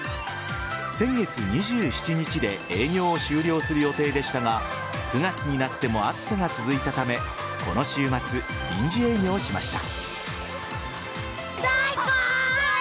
先月２７日で営業を終了する予定でしたが９月になっても暑さが続いたためこの週末、臨時営業しました。